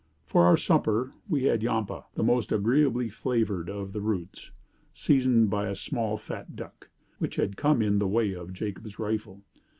For our supper we had yampah, the most agreeably flavored of the roots, seasoned by a small fat duck, which had come in the way of Jacob's rifle.